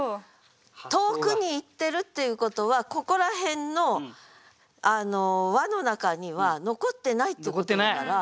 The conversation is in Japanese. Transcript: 遠くにいってるっていうことはここら辺の輪の中には残ってないってことだから。